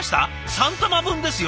３玉分ですよ